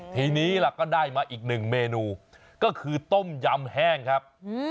ทีนี้ล่ะก็ได้มาอีกหนึ่งเมนูก็คือต้มยำแห้งครับ